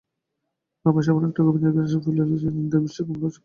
রমেশ এমন একটা গভীর দীর্ঘনিশ্বাস ফেলিল যে, নিদ্রাবিষ্ট কমলা চকিত হইয়া উঠিল।